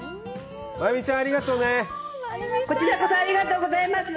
真由美ちゃん、ありがとうね。